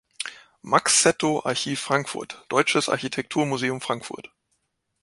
Max Cetto Archiv Frankfurt, Deutsches Architektur Museum Frankfurt.